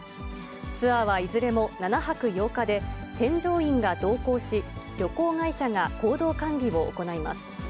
ツアーはいずれも７泊８日で、添乗員が同行し、旅行会社が行動管理を行います。